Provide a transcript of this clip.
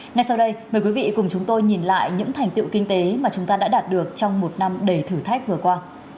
ngay sau đây mời quý vị cùng chúng tôi nhìn lại những thành tựu kinh tế mà chúng ta đã đạt được trong một năm đầy thử thách vừa qua